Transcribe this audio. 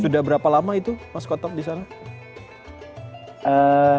sudah berapa lama itu mas kotop di sana